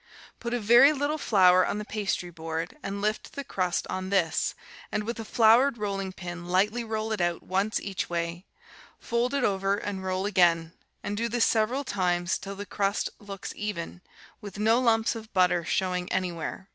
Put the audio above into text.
Put a very little flour on the pastry board and lift the crust on this, and with a floured rolling pin lightly roll it out once each way; fold it over and roll again, and do this several times till the crust looks even, with no lumps of butter showing anywhere.